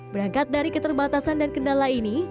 berangkat dari keterbatasan dan kendala ini